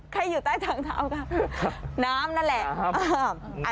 อยู่ใต้ทางเท้าก็น้ำนั่นแหละ